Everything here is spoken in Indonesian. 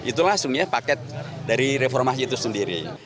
itu langsungnya paket dari reformasi itu sendiri